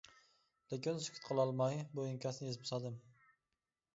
لېكىن سۈكۈت قىلالماي بۇ ئىنكاسنى يېزىپ سالدىم.